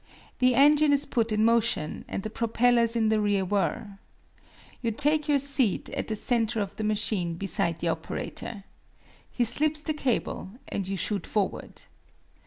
The engine is put in motion, and the propellers in the rear whir. You take your seat at the center of the machine beside the operator. He slips the cable, and you shoot forward.